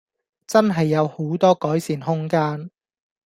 真係有好多改善空間